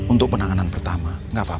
untuk penanganan pertama nggak apa apa